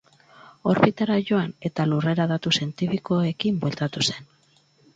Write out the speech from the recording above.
Orbitara joan eta lurrera datu zientifikoekin bueltatu zen.